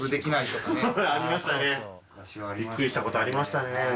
ありましたね。